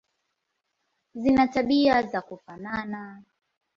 Zina tabia za kufanana.